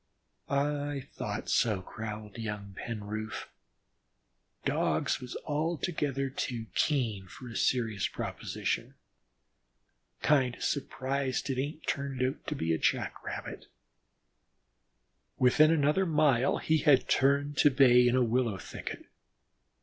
"I thought so," growled young Penroof. "Dogs was altogether too keen for a serious proposition. Kind o' surprised it ain't turned out a Jack rabbit." Within another mile he had turned to bay in a willow thicket.